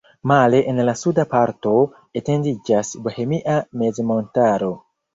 Male en la suda parto etendiĝas Bohemia mezmontaro.